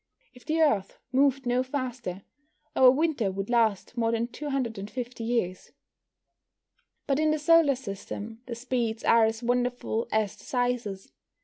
If the Earth moved no faster, our winter would last more than 250 years. But in the solar system the speeds are as wonderful as the sizes.